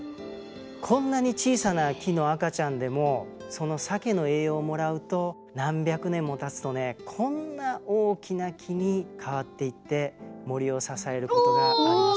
こんなに小さな木の赤ちゃんでもそのサケの栄養をもらうと何百年もたつとねこんな大きな木に変わっていって森を支えることがあります。